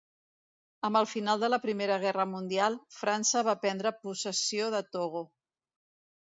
Amb el final de la Primera Guerra Mundial, França va prendre possessió de Togo.